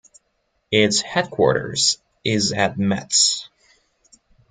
Its headquarters is at Metz.